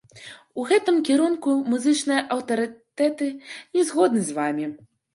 У гэтым кірунку музычныя аўтарытэты не згодны з вамі!